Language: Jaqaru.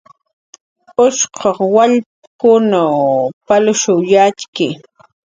Ushquq wallpkunw palsh yatxki